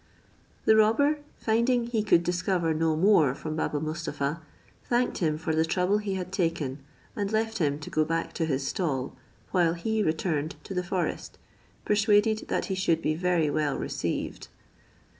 The robber, finding he could discover no more from Baba Mustapha, thanked him for the trouble he had taken, and left him to go back to his stall, while he returned to the forest, persuaded that he should be very well received.